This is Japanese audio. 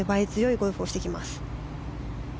ゴルフをしていきます。